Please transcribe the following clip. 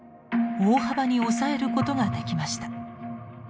大幅に抑えることができました。